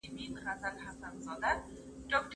نن سبا تېکنالوژي هر څه بدل کړي دي.